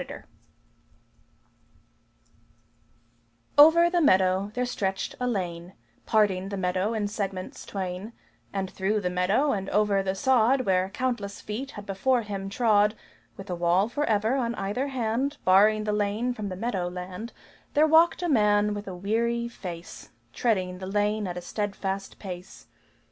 Over the meadow there stretched a lane, Parting the meadow in segments twain; And through the meadow and over the sod Where countless feet had before him trod With a wall forever on either hand Barring the lane from the meadow land, There walked a man with a weary face, Treading the lane at a steadfast pace.